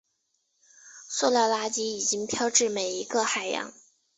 塑料垃圾已经飘至每一个海洋。